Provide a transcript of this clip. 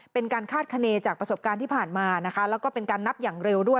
เป็นการคาดคณีจากประสบการณ์ที่ผ่านมานะคะแล้วก็เป็นการนับอย่างเร็วด้วย